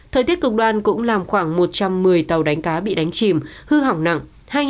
thời tiết cực đoan cũng làm khoảng một trăm một mươi tàu đánh cá bị đánh chìm hư hỏng nặng